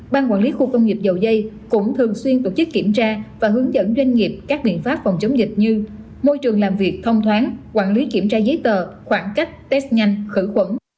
ban quản lý khu công nghiệp dầu dây cũng thường xuyên tổ chức kiểm tra và hướng dẫn doanh nghiệp các biện pháp phòng chống dịch như môi trường làm việc thông thoáng quản lý kiểm tra giấy tờ khoảng cách test nhanh khử khuẩn